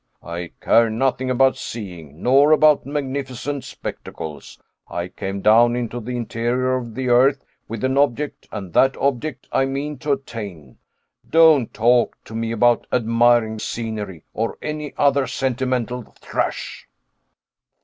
"I care nothing about seeing, nor about magnificent spectacles. I came down into the interior of the earth with an object, and that object I mean to attain. Don't talk to me about admiring scenery, or any other sentimental trash."